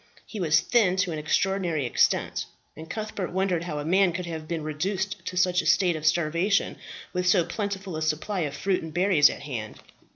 He was thin to an extraordinary extent, and Cuthbert wondered how a man could have been reduced to such a state of starvation, with so plentiful a supply of fruit and berries at hand.